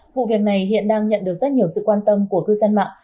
vụ việc này hiện đang nhận được rất nhiều sự quan tâm của cư dân mạng